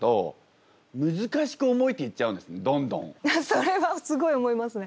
それはすごい思いますね。